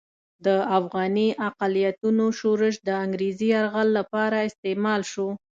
د افغاني اقلیتونو شورش د انګریزي یرغل لپاره استعمال شو.